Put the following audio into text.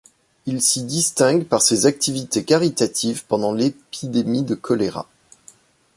Il s'y distingue par ses activités caritatives pendant l'épidémie de choléra.